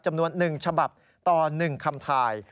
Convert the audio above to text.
จำนวน๑ฉบับต่อ๑คำถ่าย